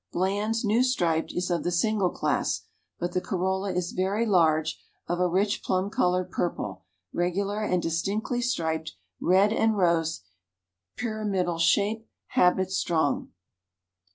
Bland's New Striped is of the single class, but the corolla is very large, of a rich plum colored purple, regular and distinctly striped red and rose, pyramidal shape, habit strong.